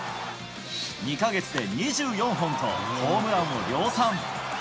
２か月で２４本と、ホームランを量産。